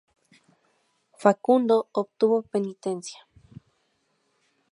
Facundo obtuvo penitencia.